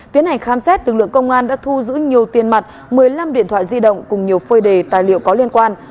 tiến hành khám xét lực lượng công an đã thu giữ nhiều tiền mặt một mươi năm điện thoại di động cùng nhiều phơi đề tài liệu có liên quan